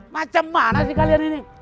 macam mana sih kalian ini